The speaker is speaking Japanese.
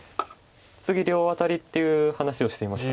次両アタリっていう話をしていました。